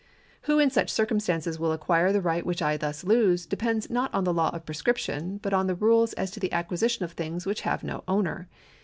Who in such circumstances will acquire the right which I thus lose, depends not on the law of prescription, but on the rules as to the acquisition of things which have no owner.